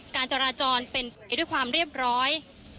การจราจรเป็นไปด้วยความเรียบร้อย